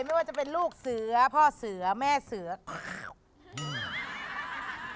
ไม่ว่าจะเป็นลูกเสือพ่อเสือแม่เสืออืม